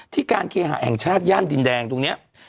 ที่การเคลียร์หาแอ่งชาติย่านดินแดงตรงนี้